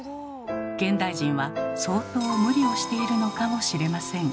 現代人は相当無理をしているのかもしれません。